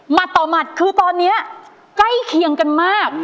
ต่อหมัดคือตอนนี้ใกล้เคียงกันมาก